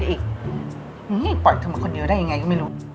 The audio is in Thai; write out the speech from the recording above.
อีกปล่อยเธอมาคนเดียวได้ยังไงก็ไม่รู้